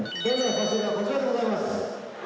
「差し入れはこちらでございます」